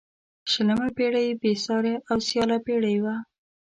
شلمه پيړۍ بې سیارې او سیاله پيړۍ وه.